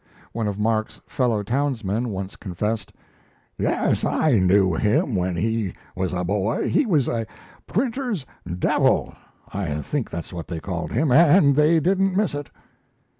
One of Mark's fellow townsmen once confessed: "Yes, I knew him when he was a boy. He was a printer's devil I think that's what they called him and they didn't miss it."